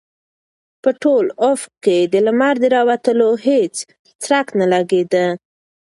په ټول افق کې د لمر د راوتلو هېڅ څرک نه لګېده.